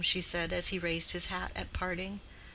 she said as he raised his hat at parting.